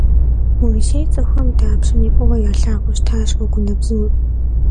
Урысейм цӏыхухэм дапщэми фӏыуэ ялъагъуу щытащ уэгунэбзур.